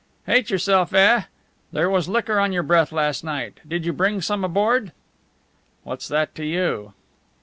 "Hate yourself, eh? There was liquor on your breath last night. Did you bring some aboard?" "What's that to you?"